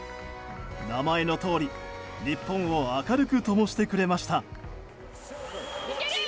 名前のとおり、日本を明るくともしてくれました。